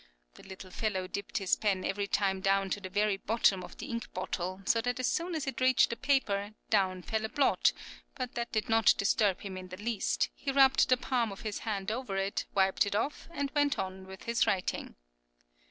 (The little fellow dipped his pen every time down to the very bottom of the ink bottle, so that as soon as it reached the paper, down fell a blot; but that did not disturb him in the least, he rubbed the palm of his hand over it, wiped it off, and went on with his writing.)